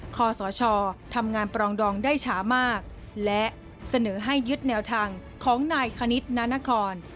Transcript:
คอสชทำงานปรองดองได้ช้ามากและเสนอให้ยึดแนวทางของนายคณิตนานคร